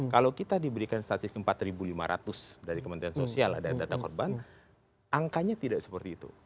kalau kita diberikan statistik empat lima ratus dari kementerian sosial ada data korban angkanya tidak seperti itu